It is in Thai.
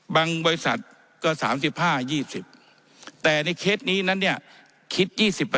บางบริษัทก็๓๕๒๐แต่ในเคสนี้นั้นคิด๒๐